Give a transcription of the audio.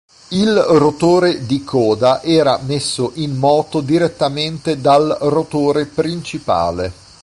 Il rotore di coda era messo in moto direttamente dal rotore principale.